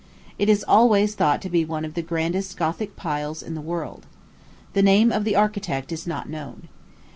It is always thought to be one of the grandest Gothic piles in the world. The name of the architect is not known.